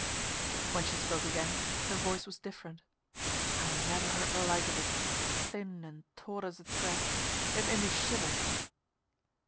When she spoke again her voice was different. I never heard the like of it, thin and taut as a thread. It made me shiver, sir.